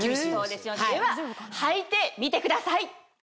でははいてみてください。